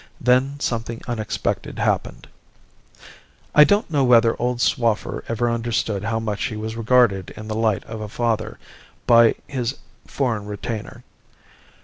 Then something unexpected happened. "I don't know whether old Swaffer ever understood how much he was regarded in the light of a father by his foreign retainer.